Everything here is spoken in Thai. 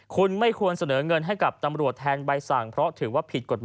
คุณไม่ควรเสนอเงินให้กับตำรวจแทนใบสั่งเพราะถือว่าผิดกฎหมาย